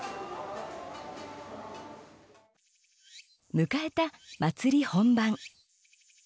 迎えた祭り本番。